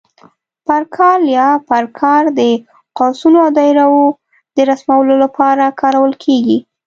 پر کال یا پر کار د قوسونو او دایرو د رسمولو لپاره کارول کېږي.